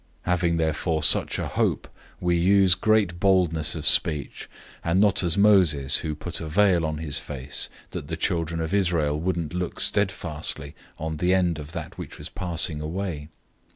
003:012 Having therefore such a hope, we use great boldness of speech, 003:013 and not as Moses, who put a veil on his face, that the children of Israel wouldn't look steadfastly on the end of that which was passing away.